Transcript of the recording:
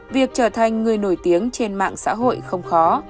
việc trở thành người nổi tiếng trên mạng xã hội không khó